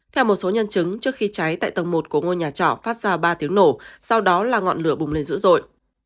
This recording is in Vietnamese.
theo một số nhân chứng trước khi cháy tại tầng một của ngôi nhà trọ phát ra ba tiếng nổ sau đó là ngọn lửa bùng lên dữ dội